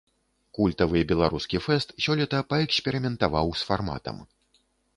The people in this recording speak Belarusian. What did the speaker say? Культавы беларускі фэст сёлета паэксперыментаваў з фарматам.